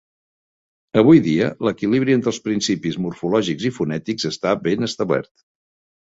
Avui dia, l'equilibri entre els principis morfològics i fonètics està ben establert.